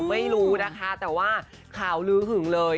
ไม่รู้นะคะแต่ว่าข่าวลื้อหึงเลย